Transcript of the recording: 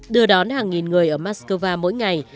đưa đón hàng nghìn người ở moscow mỗi ngày